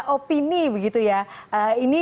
opini begitu ya ini